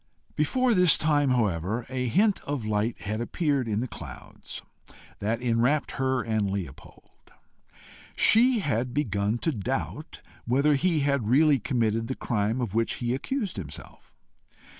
Before this time however a hint of light had appeared in the clouds that enwrapped her and Leopold: she had begun to doubt whether he had really committed the crime of which he accused himself.